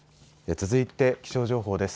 続いて気象情報です。